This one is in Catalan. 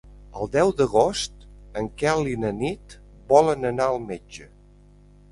El deu d'agost en Quel i na Nit volen anar al metge.